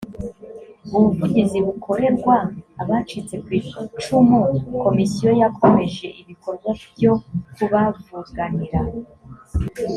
ubuvugizi bukorerwa abacitse ku icumu komisiyo yakomeje ibikorwa byo kubavuganira